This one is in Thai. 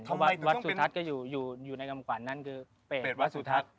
เพราะวัดสุทัศน์ก็อยู่ในกำขวัญนั้นคือเปรตวัดสุทัศน์